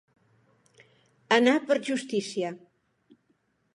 Anar per justícia.